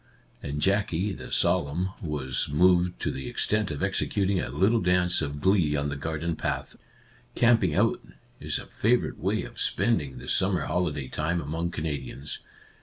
And Jackie, the solemn, was moved to the extent of executing a little dance of glee on the garden path. " Camping out " is a favourite way of spend Our Little Canadian Cousin 5 ing the summer holiday time among Cana dians.